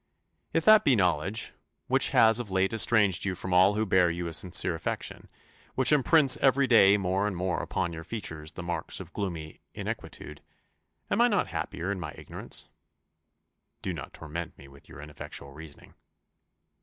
"If that be knowledge which has of late estranged you from all who bear you a sincere affection; which imprints every day more and more upon your features the marks of gloomy inquietude; am I not happier in my ignorance?" "Do not torment me with your ineffectual reasoning."